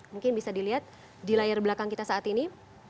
mungkin bisa dilihat di layar belakang kita saat ini